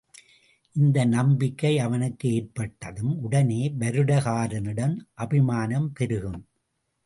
இந்த நம்பிக்கை அவனுக்கு ஏற்பட்டதும் உடனே வருடகாரனிடம் அபிமானம் பெருகும்.